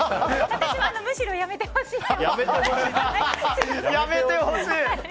私はむしろやめてほしいと。